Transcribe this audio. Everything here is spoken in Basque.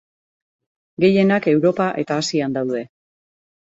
Gehienak Europa eta Asian daude.